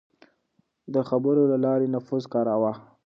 ده د خبرو له لارې نفوذ کاراوه.